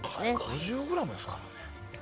５０ｇですからね。